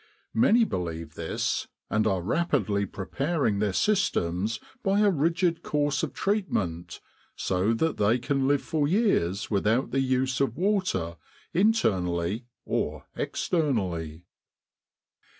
Many believe this and are rapidly preparing their systems by a rigid course of treatment, so that they can live for years without the use of water internally or externally.